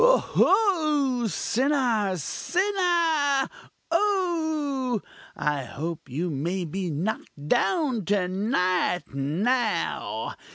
Oho! sinner! sinner! oh! I hope you may be knock'd down to night now!